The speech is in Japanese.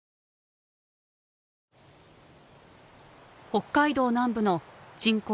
北海道南部の人口